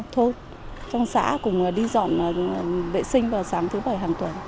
thôn trong xã cùng đi dọn vệ sinh vào sáng thứ bảy hàng tuần